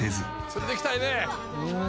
連れていきたいね！